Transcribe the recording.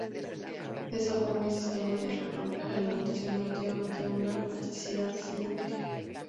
De esta forma el sistema de retroalimentación negativa mantiene una plasticidad sináptica.